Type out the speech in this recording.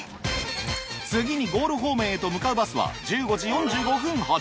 次にゴール方面へと向かうバスは１５時４５分発。